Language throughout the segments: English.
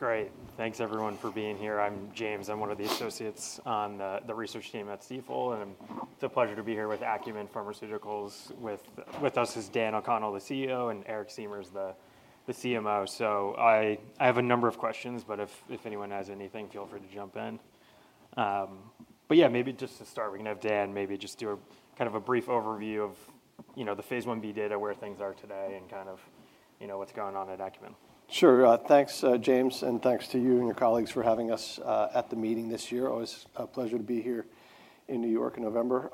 Great. Thanks, everyone, for being here. I'm James. I'm one of the associates on the research team at Stifel, and it's a pleasure to be here with Acumen Pharmaceuticals. With us is Daniel O'Connell, the CEO, and Eric Siemers, the CMO. So I have a number of questions, but if anyone has anything, feel free to jump in. But yeah, maybe just to start, we can have Dan maybe just do a kind of a brief overview of the phase I-B data, where things are today, and kind of what's going on at Acumen. Sure. Thanks, James, and thanks to you and your colleagues for having us at the meeting this year. Always a pleasure to be here in New York in November.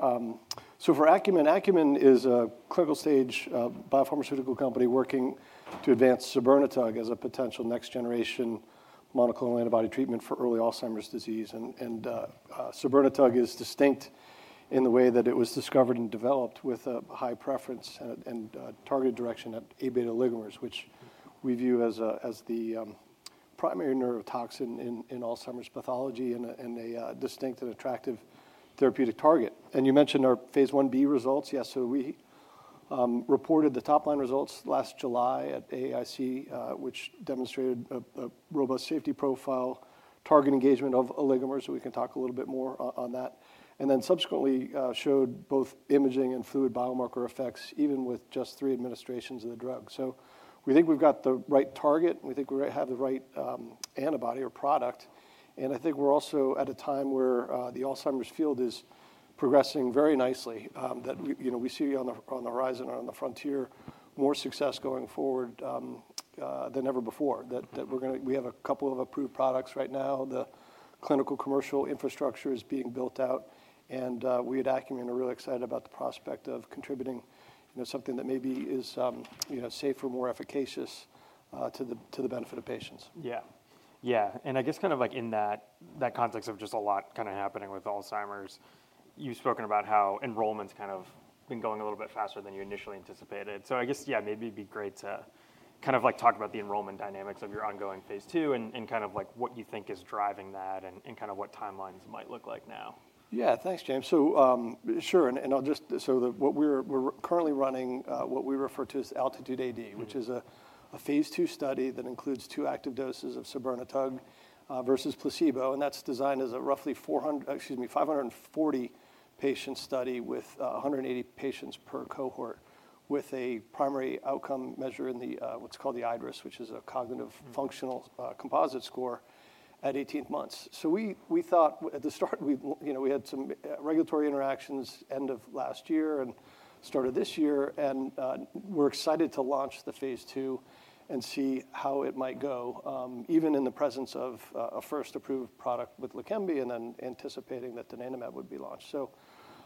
So for Acumen, Acumen is a clinical-stage biopharmaceutical company working to advance sabirnetug as a potential next-generation monoclonal antibody treatment for early Alzheimer's disease. And sabirnetug is distinct in the way that it was discovered and developed with a high preference and targeted direction at Aβ oligomers, which we view as the primary neurotoxin in Alzheimer's pathology and a distinct and attractive therapeutic target. And you mentioned our phase I-B results. Yes, so we reported the top-line results last July at AAIC, which demonstrated a robust safety profile, target engagement of oligomers. So we can talk a little bit more on that. Then subsequently showed both imaging and fluid biomarker effects, even with just three administrations of the drug. We think we've got the right target. We think we have the right antibody or product. I think we're also at a time where the Alzheimer's field is progressing very nicely, that we see on the horizon or on the frontier more success going forward than ever before. We have a couple of approved products right now. The clinical commercial infrastructure is being built out. We at Acumen are really excited about the prospect of contributing something that maybe is safer, more efficacious to the benefit of patients. Yeah. Yeah. And I guess kind of in that context of just a lot kind of happening with Alzheimer's, you've spoken about how enrollment's kind of been going a little bit faster than you initially anticipated. So I guess, yeah, maybe it'd be great to kind of talk about the enrollment dynamics of your ongoing phase II and kind of what you think is driving that and kind of what timelines might look like now. Yeah. Thanks, James. So sure. And so what we're currently running, what we refer to as Altitude AD, which is a phase II study that includes two active doses of sabirnetug versus placebo. And that's designed as a roughly 540-patient study with 180 patients per cohort, with a primary outcome measure in what's called the iADRS, which is a cognitive functional composite score at 18 months. So we thought at the start, we had some regulatory interactions end of last year and start of this year. And we're excited to launch the phase II and see how it might go, even in the presence of a first approved product with Leqembi and then anticipating that donanemab would be launched. So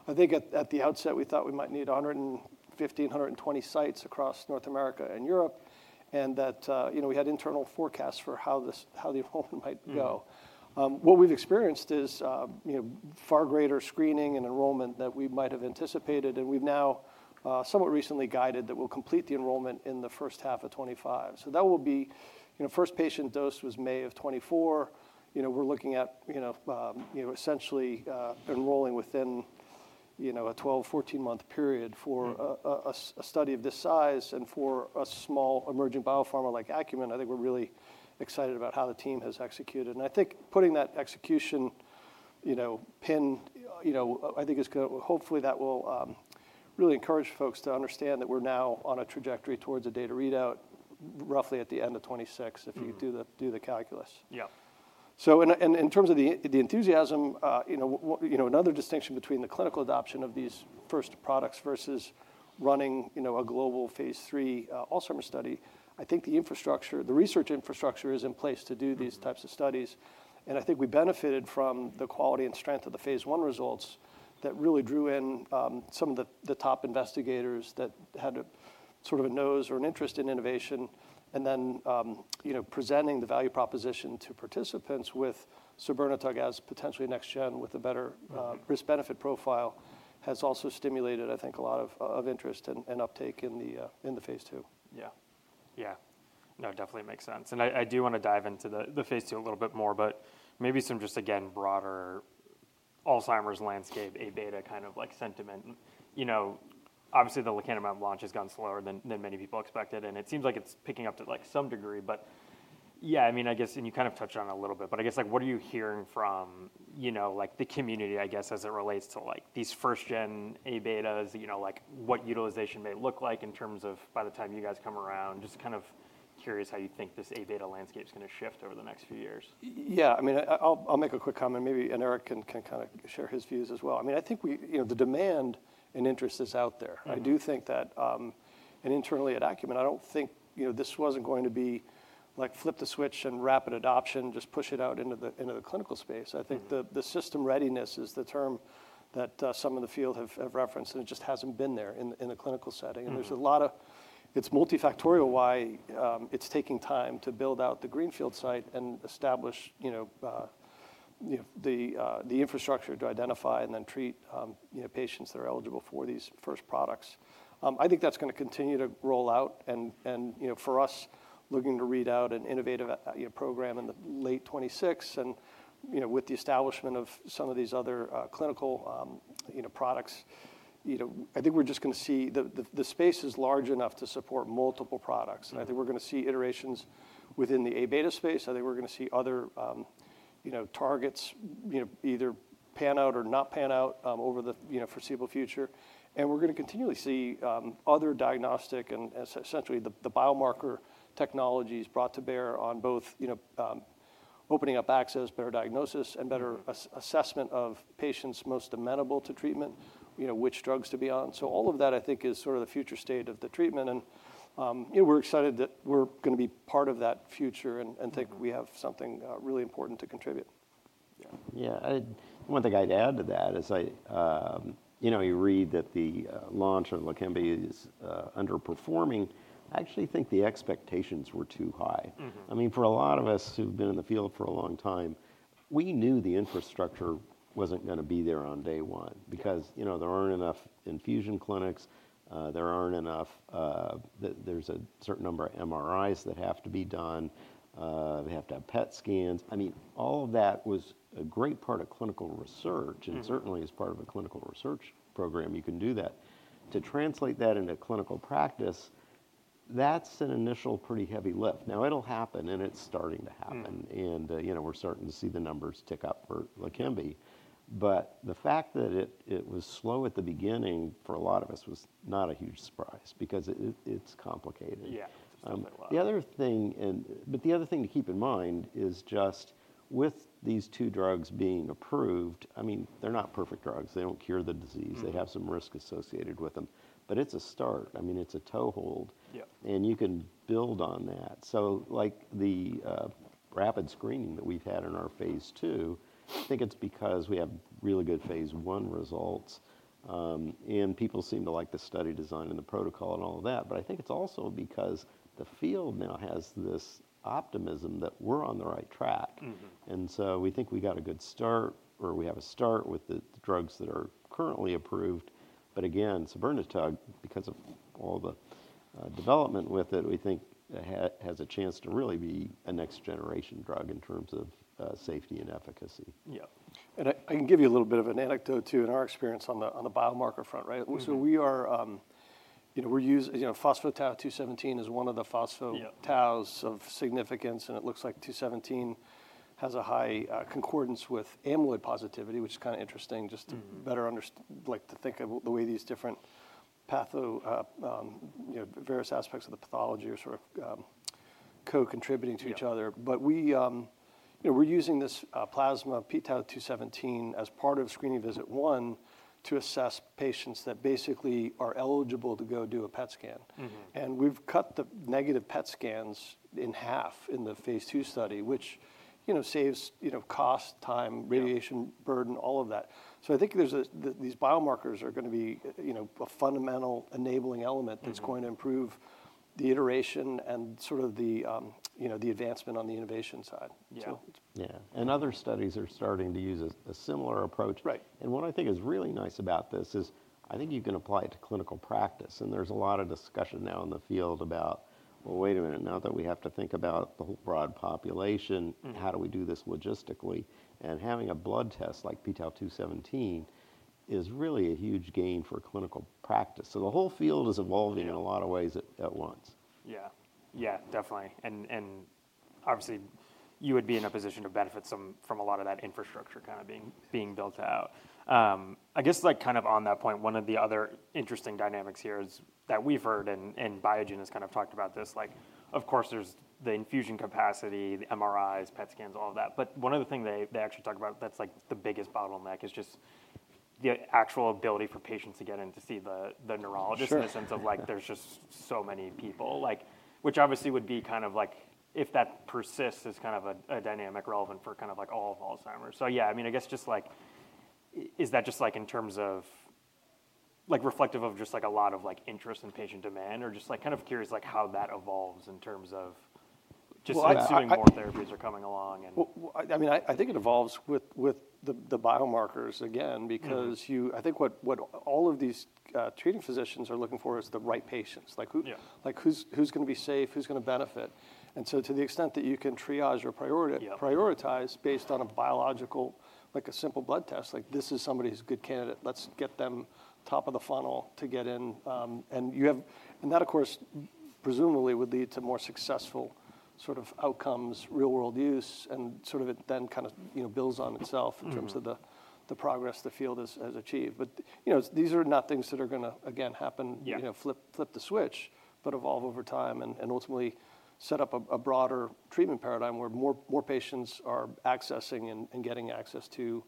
I think at the outset, we thought we might need 115, 120 sites across North America and Europe and that we had internal forecasts for how the enrollment might go. What we've experienced is far greater screening and enrollment than we might have anticipated. And we've now somewhat recently guided that we'll complete the enrollment in the first half of 2025. So that will be first patient dose was May of 2024. We're looking at essentially enrolling within a 12-14-month period for a study of this size. And for a small emerging biopharma like Acumen, I think we're really excited about how the team has executed. And I think putting that execution pin, I think hopefully that will really encourage folks to understand that we're now on a trajectory towards a data readout roughly at the end of 2026, if you do the calculus. Yeah. In terms of the enthusiasm, another distinction between the clinical adoption of these first products versus running a global phase III Alzheimer's study, I think the research infrastructure is in place to do these types of studies. I think we benefited from the quality and strength of the phase I results that really drew in some of the top investigators that had sort of a nose or an interest in innovation. Presenting the value proposition to participants with sabirnetug as potentially next-gen with a better risk-benefit profile has also stimulated, I think, a lot of interest and uptake in the phase II. Yeah. Yeah. No, definitely makes sense. And I do want to dive into the phase II a little bit more, but maybe some just, again, broader Alzheimer's landscape, Aβ kind of sentiment. Obviously, the Lecanemab launch has gone slower than many people expected. And it seems like it's picking up to some degree. But yeah, I mean, I guess, and you kind of touched on it a little bit, but I guess what are you hearing from the community, I guess, as it relates to these first-gen Aβ, what utilization may look like in terms of by the time you guys come around? Just kind of curious how you think this Aβ landscape is going to shift over the next few years. Yeah. I mean, I'll make a quick comment. Maybe Eric can kind of share his views as well. I mean, I think the demand and interest is out there. I do think that, and internally at Acumen, I don't think this wasn't going to be flip the switch and rapid adoption, just push it out into the clinical space. I think the system readiness is the term that some of the field have referenced, and it just hasn't been there in the clinical setting, and there's a lot of it's multifactorial why it's taking time to build out the greenfield site and establish the infrastructure to identify and then treat patients that are eligible for these first products. I think that's going to continue to roll out. And for us, looking to read out an innovative program in the late 2026 and with the establishment of some of these other clinical products, I think we're just going to see the space is large enough to support multiple products. And I think we're going to see iterations within the Aβ space. I think we're going to see other targets either pan out or not pan out over the foreseeable future. And we're going to continually see other diagnostic and essentially the biomarker technologies brought to bear on both opening up access, better diagnosis, and better assessment of patients most amenable to treatment, which drugs to be on. So all of that, I think, is sort of the future state of the treatment. And we're excited that we're going to be part of that future and think we have something really important to contribute. Yeah. One thing I'd add to that is you read that the launch of Leqembi is underperforming. I actually think the expectations were too high. I mean, for a lot of us who've been in the field for a long time, we knew the infrastructure wasn't going to be there on day one because there aren't enough infusion clinics. There aren't enough. There's a certain number of MRIs that have to be done. They have to have PET scans. I mean, all of that was a great part of clinical research and certainly as part of a clinical research program, you can do that. To translate that into clinical practice, that's an initial pretty heavy lift. Now, it'll happen, and it's starting to happen. And we're starting to see the numbers tick up for Leqembi. But the fact that it was slow at the beginning for a lot of us was not a huge surprise because it's complicated. Yeah. It's quite a lot. The other thing to keep in mind is just with these two drugs being approved, I mean, they're not perfect drugs. They don't cure the disease. They have some risk associated with them, but it's a start, I mean, it's a toehold, and you can build on that, so the rapid screening that we've had in our phase II, I think it's because we have really good phase I results. And people seem to like the study design and the protocol and all of that, but I think it's also because the field now has this optimism that we're on the right track, and so we think we got a good start or we have a start with the drugs that are currently approved. But again, sabirnetug, because of all the development with it, we think has a chance to really be a next-generation drug in terms of safety and efficacy. Yeah. And I can give you a little bit of an anecdote too in our experience on the biomarker front, right? So pTau217 is one of the pTau of significance. And it looks like 217 has a high concordance with amyloid positivity, which is kind of interesting just to think of the way these different various aspects of the pathology are sort of co-contributing to each other. But we're using this plasma pTau217 as part of screening visit one to assess patients that basically are eligible to go do a PET scan. And we've cut the negative PET scans in half in the phase II study, which saves cost, time, radiation burden, all of that. So I think these biomarkers are going to be a fundamental enabling element that's going to improve the iteration and sort of the advancement on the innovation side. Yeah. And other studies are starting to use a similar approach. And what I think is really nice about this is I think you can apply it to clinical practice. And there's a lot of discussion now in the field about, well, wait a minute, now that we have to think about the whole broad population, how do we do this logistically? And having a blood test like pTau217 is really a huge gain for clinical practice. So the whole field is evolving in a lot of ways at once. Yeah. Yeah, definitely. And obviously, you would be in a position to benefit from a lot of that infrastructure kind of being built out. I guess kind of on that point, one of the other interesting dynamics here is that we've heard, and Biogen has kind of talked about this, of course, there's the infusion capacity, the MRIs, PET scans, all of that. But one of the things they actually talk about that's the biggest bottleneck is just the actual ability for patients to get in to see the neurologist in the sense of there's just so many people, which obviously would be kind of if that persists as kind of a dynamic relevant for kind of all of Alzheimer's. So yeah, I mean, I guess just is that just in terms of reflective of just a lot of interest and patient demand? Or, just kind of curious how that evolves in terms of just assuming more therapies are coming along and. I mean, I think it evolves with the biomarkers, again, because I think what all of these treating physicians are looking for is the right patients, who's going to be safe, who's going to benefit. And so to the extent that you can triage or prioritize based on a biological, like a simple blood test, this is somebody who's a good candidate. Let's get them top of the funnel to get in. And that, of course, presumably would lead to more successful sort of outcomes, real-world use. And sort of it then kind of builds on itself in terms of the progress the field has achieved. But these are not things that are going to, again, happen, flip the switch, but evolve over time and ultimately set up a broader treatment paradigm where more patients are accessing and getting access to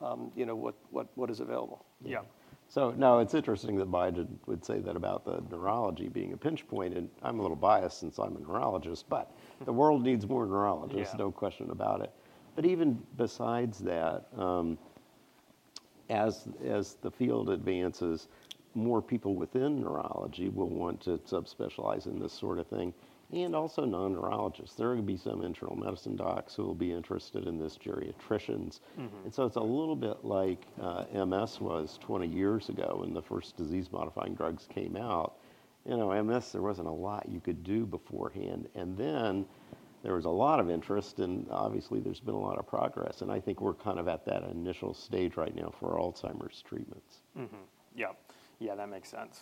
what is available. Yeah, so now it's interesting that Biogen would say that about the neurology being a pinch point. And I'm a little biased since I'm a neurologist, but the world needs more neurologists, no question about it, but even besides that, as the field advances, more people within neurology will want to subspecialize in this sort of thing, and also non-neurologists. There will be some internal medicine docs who will be interested in this, geriatricians, and so it's a little bit like MS was 20 years ago when the first disease-modifying drugs came out. MS, there wasn't a lot you could do beforehand, and then there was a lot of interest, and obviously, there's been a lot of progress, and I think we're kind of at that initial stage right now for Alzheimer's treatments. Yeah. Yeah, that makes sense.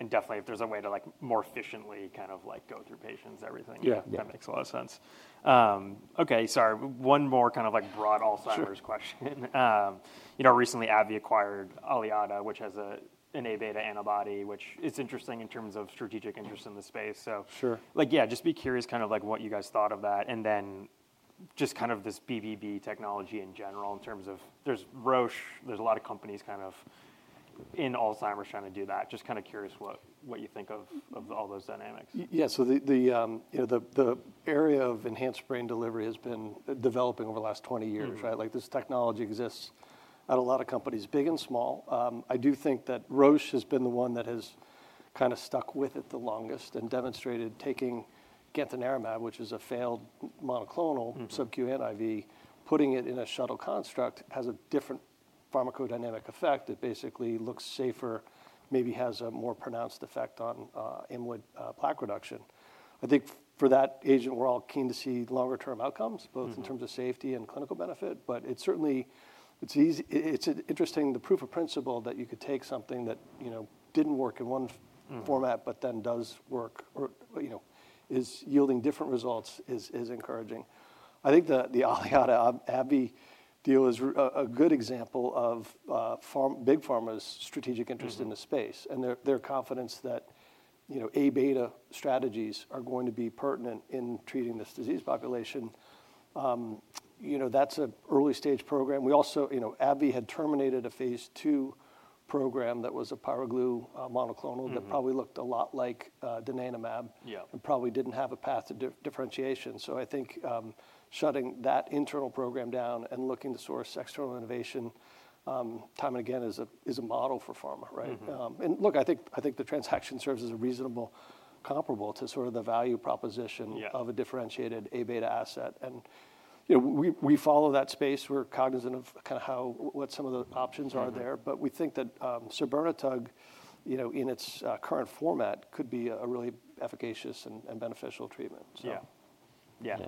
And definitely, if there's a way to more efficiently kind of go through patients, everything, that makes a lot of sense. Okay, sorry. One more kind of broad Alzheimer's question. Recently, AbbVie acquired Aliada, which has anti-Aβ antibody, which is interesting in terms of strategic interest in the space. So yeah, just be curious kind of what you guys thought of that. And then just kind of this BBB technology in general in terms of there's Roche, there's a lot of companies kind of in Alzheimer's trying to do that. Just kind of curious what you think of all those dynamics. Yeah. The area of enhanced brain delivery has been developing over the last 20 years, right? This technology exists at a lot of companies, big and small. I do think that Roche has been the one that has kind of stuck with it the longest and demonstrated taking gantenerumab, which is a failed monoclonal subQ/IV, putting it in a shuttle construct has a different pharmacodynamic effect. It basically looks safer, maybe has a more pronounced effect on amyloid plaque reduction. I think for that agent, we're all keen to see longer-term outcomes, both in terms of safety and clinical benefit. But it's certainly interesting, the proof of principle that you could take something that didn't work in one format, but then does work or is yielding different results is encouraging. I think the Aliada, AbbVie deal is a good example of Big Pharma's strategic interest in the space and their confidence that Aβ strategies are going to be pertinent in treating this disease population. That's an early-stage program. We also, AbbVie had terminated a phase II program that was a pyroGlu monoclonal that probably looked a lot like donanemab and probably didn't have a path to differentiation. So I think shutting that internal program down and looking to source external innovation time and again is a model for pharma, right? And look, I think the transaction serves as a reasonable comparable to sort of the value proposition of a differentiated Aβ asset. And we follow that space. We're cognizant of kind of what some of the options are there. But we think that sabirnetug, in its current format, could be a really efficacious and beneficial treatment. Yeah.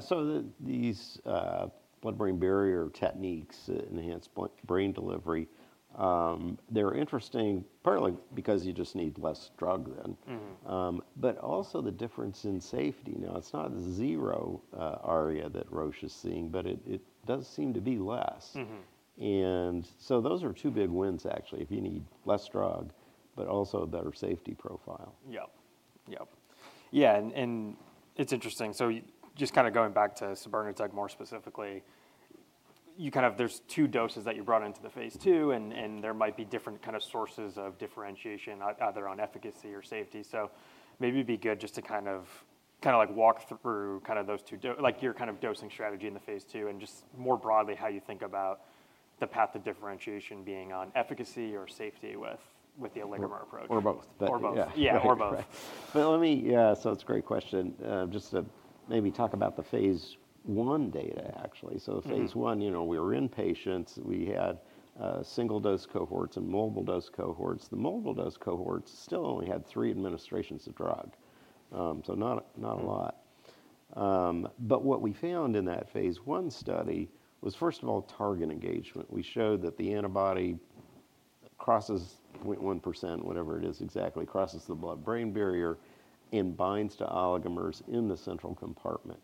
So these blood-brain barrier techniques enhance brain delivery. They're interesting, partly because you just need less drug then, but also the difference in safety. Now, it's not the ARIA that Roche is seeing, but it does seem to be less. And so those are two big wins, actually, if you need less drug, but also a better safety profile. Yep. Yep. Yeah. And it's interesting. So just kind of going back to sabirnetug more specifically, you kind of, there's two doses that you brought into the phase II, and there might be different kind of sources of differentiation either on efficacy or safety. So maybe it'd be good just to kind of walk through those two, your kind of dosing strategy in the phase II and just more broadly how you think about the path of differentiation being on efficacy or safety with the oligomer approach. Or both. Or both. Yeah, or both. But let me yeah, so it's a great question. Just to maybe talk about the phase I data, actually. So phase I, we were in patients. We had single-dose cohorts and multiple-dose cohorts. The multiple-dose cohorts still only had three administrations of drug. So not a lot. But what we found in that phase I study was, first of all, target engagement. We showed that the antibody crosses 0.1%, whatever it is exactly, crosses the blood-brain barrier and binds to oligomers in the central compartment.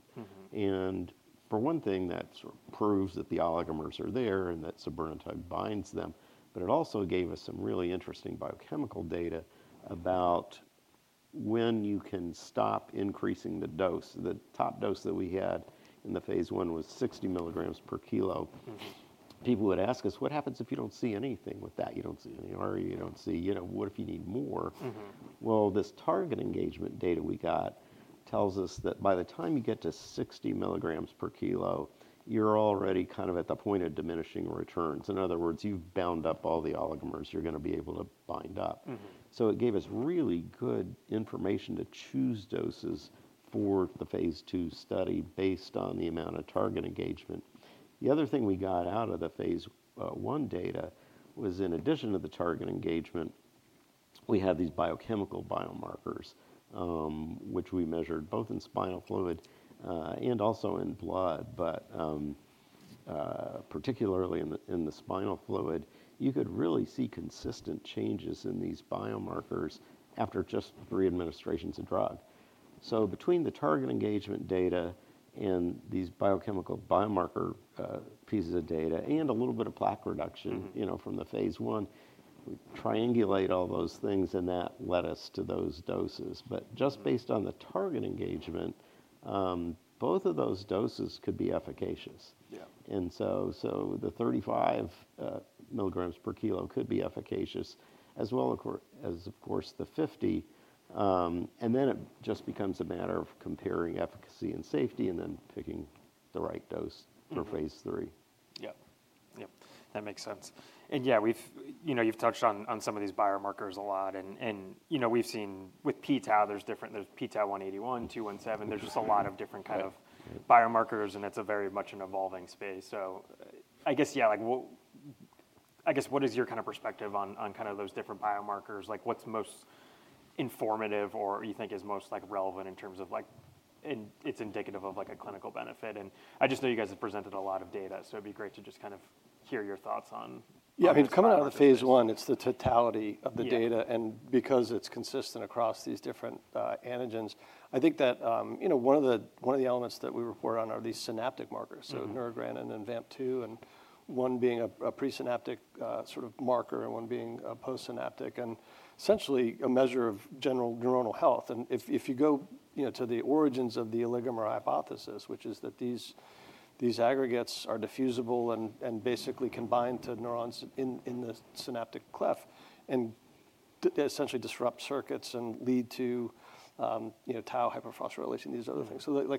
And for one thing, that sort of proves that the oligomers are there and that sabirnetug binds them. But it also gave us some really interesting biochemical data about when you can stop increasing the dose. The top dose that we had in the phase I was 60 mg/kg. People would ask us, what happens if you don't see anything with that? You don't see any free, you don't see what if you need more? Well, this target engagement data we got tells us that by the time you get to 60 mg/kg, you're already kind of at the point of diminishing returns. In other words, you've bound up all the oligomers. You're going to be able to bind up. So it gave us really good information to choose doses for the phase II study based on the amount of target engagement. The other thing we got out of the phase I data was, in addition to the target engagement, we had these biochemical biomarkers, which we measured both in spinal fluid and also in blood. But particularly in the spinal fluid, you could really see consistent changes in these biomarkers after just three administrations of drug. So between the target engagement data and these biochemical biomarker pieces of data and a little bit of plaque reduction from the phase I, we triangulate all those things and that led us to those doses. But just based on the target engagement, both of those doses could be efficacious. And so the 35 mg/kg could be efficacious, as well as, of course, the 50. And then it just becomes a matter of comparing efficacy and safety and then picking the right dose for phase III. Yep. Yep. That makes sense. And yeah, you've touched on some of these biomarkers a lot. And we've seen with pTau, there's pTau181, 217. There's just a lot of different kind of biomarkers, and it's very much an evolving space. So I guess, yeah, I guess what is your kind of perspective on kind of those different biomarkers? What's most informative or you think is most relevant in terms of it's indicative of a clinical benefit? And I just know you guys have presented a lot of data, so it'd be great to just kind of hear your thoughts on. Yeah. I mean, coming out of the phase I, it's the totality of the data. And because it's consistent across these different antigens, I think that one of the elements that we report on are these synaptic markers, so neurogranin and VAMP2, and one being a presynaptic sort of marker and one being a postsynaptic, and essentially a measure of general neuronal health. And if you go to the origins of the oligomer hypothesis, which is that these aggregates are diffusible and basically can bind to neurons in the synaptic cleft and essentially disrupt circuits and lead to tau hyperphosphorylation, these other things. So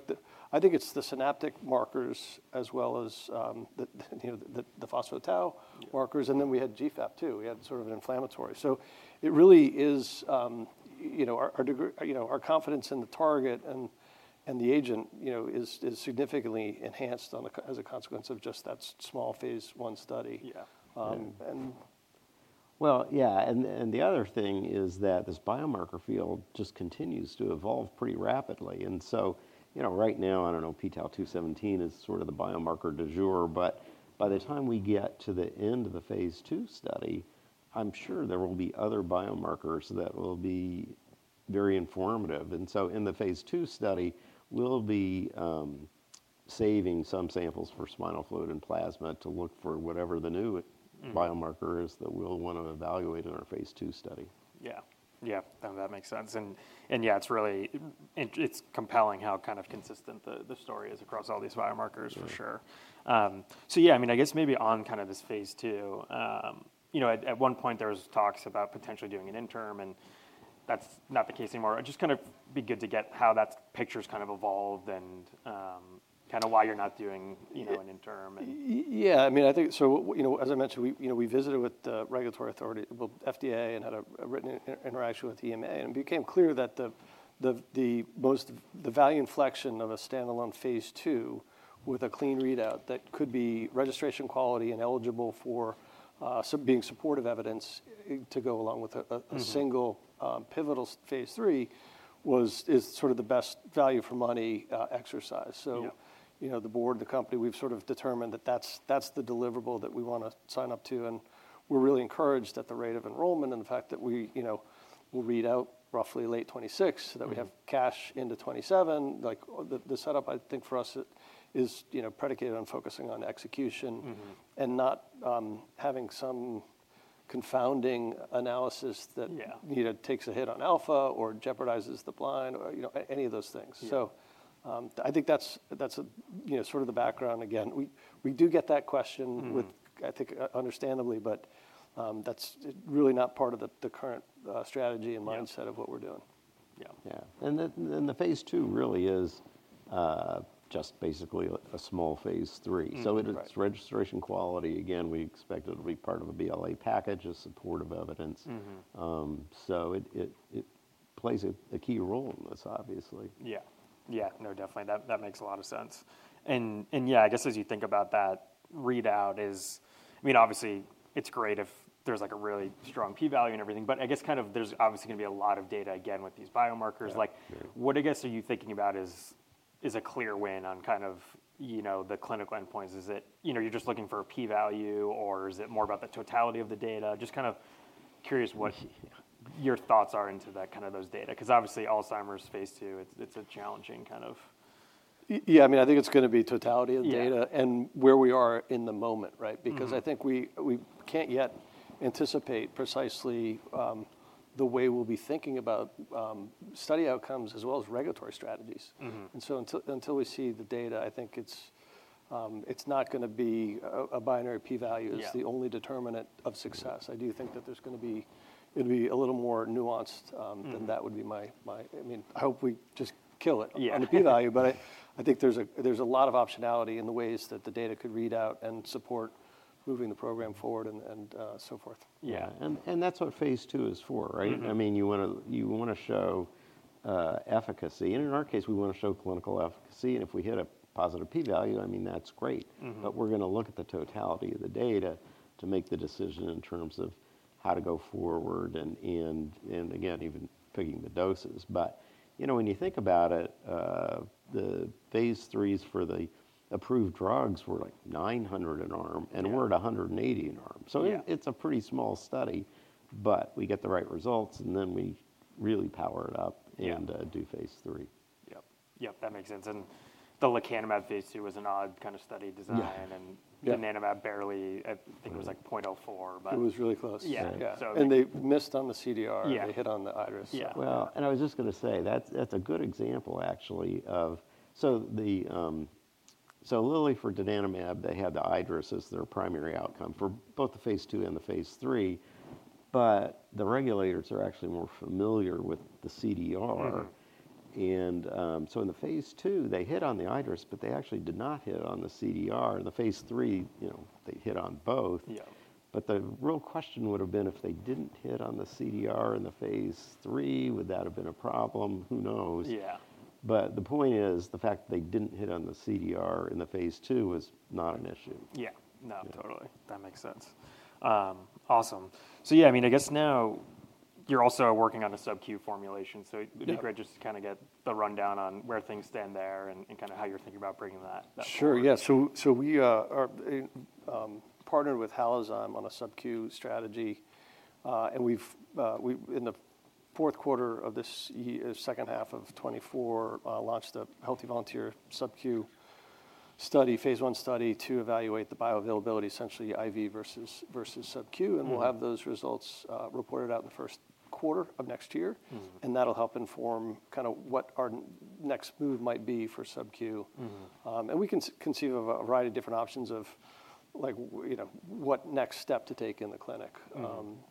I think it's the synaptic markers as well as the phospho-tau markers. And then we had GFAP too. We had sort of an inflammatory. So it really is our confidence in the target and the agent is significantly enhanced as a consequence of just that small phase I study. Yeah. The other thing is that this biomarker field just continues to evolve pretty rapidly. So right now, I don't know, pTau217 is sort of the biomarker du jour. But by the time we get to the end of the phase II study, I'm sure there will be other biomarkers that will be very informative. In the phase II study, we'll be saving some samples for spinal fluid and plasma to look for whatever the new biomarker is that we'll want to evaluate in our phase II study. Yeah. Yeah. That makes sense. And yeah, it's compelling how kind of consistent the story is across all these biomarkers, for sure. So yeah, I mean, I guess maybe on kind of this phase II, at one point, there were talks about potentially doing an interim, and that's not the case anymore. It'd just kind of be good to get how that picture's kind of evolved and kind of why you're not doing an interim? Yeah. I mean, I think so, as I mentioned, we visited with the regulatory authority, well, FDA, and had a written interaction with EMA, and it became clear that the value inflection of a standalone phase II with a clean readout that could be registration-quality and eligible for being supportive evidence to go along with a single pivotal phase III is sort of the best value for money exercise, so the board, the company, we've sort of determined that that's the deliverable that we want to sign up to, and we're really encouraged at the rate of enrollment and the fact that we will read out roughly late 2026 so that we have cash into 2027. The setup, I think, for us is predicated on focusing on execution and not having some confounding analysis that takes a hit on alpha or jeopardizes the blind or any of those things. So I think that's sort of the background. Again, we do get that question with, I think, understandably, but that's really not part of the current strategy and mindset of what we're doing. Yeah. And the phase II really is just basically a small phase III. So it's registration-quality. Again, we expect it to be part of a BLA package of supportive evidence. So it plays a key role in this, obviously. Yeah. Yeah. No, definitely. That makes a lot of sense. And yeah, I guess as you think about that readout, I mean, obviously, it's great if there's a really strong p-value and everything. But I guess kind of there's obviously going to be a lot of data again with these biomarkers. What I guess are you thinking about is a clear win on kind of the clinical endpoints? Is it you're just looking for a p-value, or is it more about the totality of the data? Just kind of curious what your thoughts are into kind of those data. Because obviously, Alzheimer's phase II, it's a challenging kind of. Yeah. I mean, I think it's going to be totality of data and where we are in the moment, right? Because I think we can't yet anticipate precisely the way we'll be thinking about study outcomes as well as regulatory strategies. And so until we see the data, I think it's not going to be a binary p-value is the only determinant of success. I do think that there's going to be a little more nuanced than that would be my. I mean, I hope we just kill it on the p-value. But I think there's a lot of optionality in the ways that the data could read out and support moving the program forward and so forth. Yeah. And that's what phase II is for, right? I mean, you want to show efficacy. And in our case, we want to show clinical efficacy. And if we hit a positive p-value, I mean, that's great. But we're going to look at the totality of the data to make the decision in terms of how to go forward and, again, even picking the doses. But when you think about it, the phase III for the approved drugs were like 900 in arm and we're at 180 in arm. So it's a pretty small study. But we get the right results, and then we really power it up and do phase III. Yep. Yep. That makes sense. And the Lecanemab phase II was an odd kind of study design. And donanemab barely, I think it was like 0.04, but. It was really close. Yeah. And they missed on the CDR. They hit on the iADRS. Yeah. Wow. And I was just going to say, that's a good example, actually, of so Eli Lilly for donanemab, they had the iADRS as their primary outcome for both the phase II and the phase III. But the regulators are actually more familiar with the CDR. And so in the phase II, they hit on the iADRS, but they actually did not hit on the CDR. In the phase III, they hit on both. But the real question would have been if they didn't hit on the CDR in the phase III, would that have been a problem? Who knows? But the point is, the fact that they didn't hit on the CDR in the phase II was not an issue. Yeah. No, totally. That makes sense. Awesome. So yeah, I mean, I guess now you're also working on a subQ formulation. So it'd be great just to kind of get the rundown on where things stand there and kind of how you're thinking about bringing that. Sure. Yeah. So we partnered with Halozyme on a subQ strategy. And in the fourth quarter of this second half of 2024, launched a healthy volunteer subQ study, phase I study to evaluate the bioavailability, essentially IV versus subQ. And we'll have those results reported out in the first quarter of next year. And that'll help inform kind of what our next move might be for subQ. And we can conceive of a variety of different options of what next step to take in the clinic.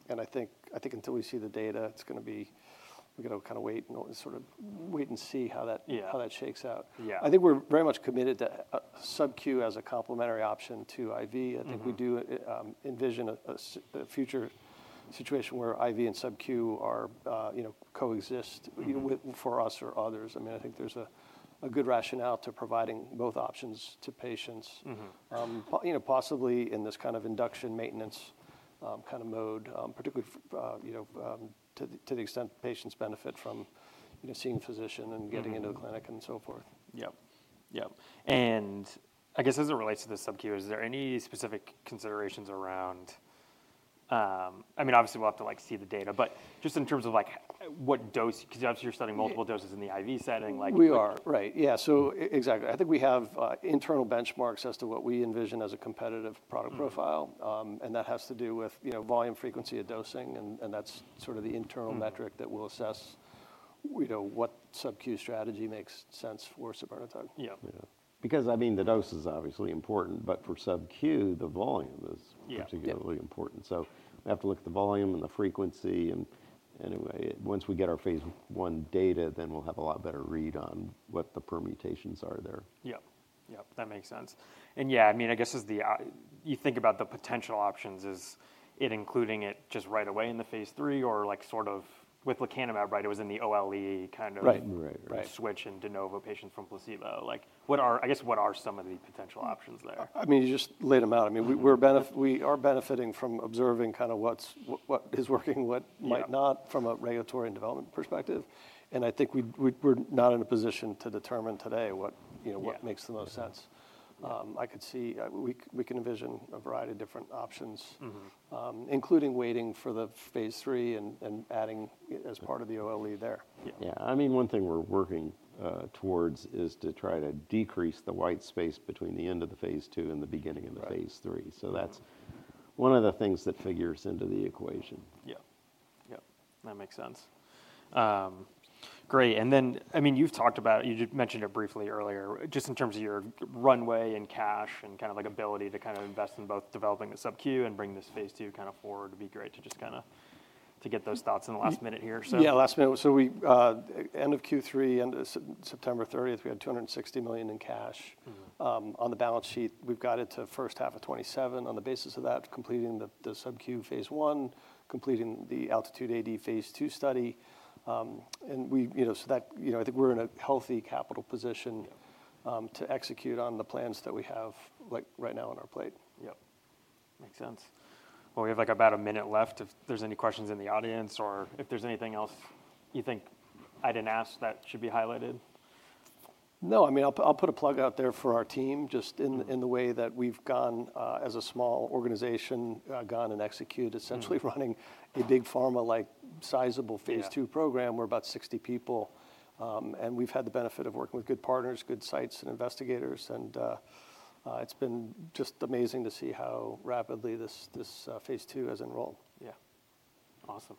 And I think until we see the data, it's going to be we're going to kind of wait and sort of wait and see how that shakes out. I think we're very much committed to subQ as a complementary option to IV. I think we do envision a future situation where IV and subQ coexist for us or others. I mean, I think there's a good rationale to providing both options to patients, possibly in this kind of induction maintenance kind of mode, particularly to the extent patients benefit from seeing a physician and getting into the clinic and so forth. Yep. Yep. And I guess as it relates to the subQ, is there any specific considerations around? I mean, obviously, we'll have to see the data. But just in terms of what dose, because obviously, you're studying multiple doses in the IV setting. Right. Yeah. So exactly. I think we have internal benchmarks as to what we envision as a competitive product profile. And that has to do with volume frequency of dosing. And that's sort of the internal metric that will assess what subQ strategy makes sense for sabirnetug. Yeah. Because I mean, the dose is obviously important. But for subQ, the volume is particularly important. So we have to look at the volume and the frequency. And once we get our phase I data, then we'll have a lot better read on what the permutations are there. Yep. Yep. That makes sense, and yeah, I mean, I guess as you think about the potential options, is it including it just right away in the phase III or sort of with lecanemab, right? It was in the OLE kind of switch in de novo patients from placebo. I guess what are some of the potential options there? I mean, you just laid them out. I mean, we are benefiting from observing kind of what is working, what might not from a regulatory and development perspective. And I think we're not in a position to determine today what makes the most sense. I could see we can envision a variety of different options, including waiting for the phase III and adding as part of the OLE there. Yeah. I mean, one thing we're working towards is to try to decrease the white space between the end of the phase II and the beginning of the phase III. So that's one of the things that figures into the equation. Yep. Yep. That makes sense. Great. And then, I mean, you've talked about. You mentioned it briefly earlier. Just in terms of your runway and cash and kind of ability to kind of invest in both developing a subQ and bring this phase II kind of forward, it'd be great to just kind of get those thoughts in the last minute here. Yeah. Last minute. So end of Q3, end of September 30th, we had $260 million in cash on the balance sheet. We've got it to first half of 2027 on the basis of that, completing the subQ phase I, completing the Altitude AD phase II study. And so I think we're in a healthy capital position to execute on the plans that we have right now on our plate. Yep. Makes sense. Well, we have about a minute left if there's any questions in the audience or if there's anything else you think I didn't ask that should be highlighted. No. I mean, I'll put a plug out there for our team just in the way that we've gone as a small organization, gone and executed essentially running a Big Pharma-like sizable phase II program. We're about 60 people. And we've had the benefit of working with good partners, good sites, and investigators. And it's been just amazing to see how rapidly this phase II has enrolled. Yeah. Awesome.